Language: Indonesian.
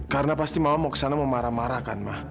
karena pasti mama mau kesana memarah marahkan ma